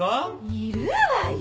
いるわよ